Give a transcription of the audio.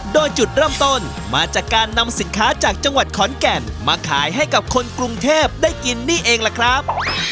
โดยจุดเริ่มต้นมาจากการนำสินค้าจากจังหวัดขอนแก่นมาขายให้กับคนกรุงเทพได้กินนี่เองล่ะครับ